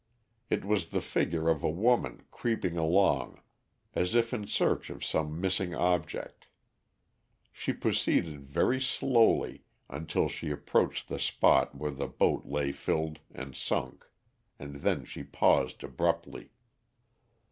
It was the figure of a woman creeping along as if in search of some missing object. She proceeded very slowly until she approached the spot where the boat lay filled and sunk, and then she paused abruptly.